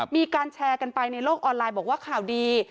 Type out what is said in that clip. มีการแชร์กันไปในโลกออนไลน์บอกว่าข่าวดี